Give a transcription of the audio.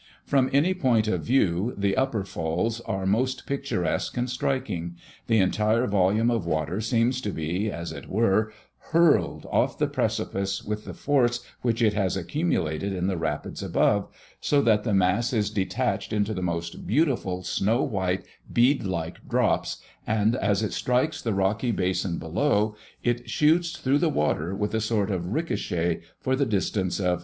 "From any point of view, the Upper Falls are most picturesque and striking. The entire volume of water seems to be, as it were, hurled off the precipice with the force which it has accumulated in the rapids above, so that the mass is detached into the most beautiful snow white, bead like drops, and as it strikes the rocky basin below, it shoots through the water with a sort of ricochet for the distance of 200 feet."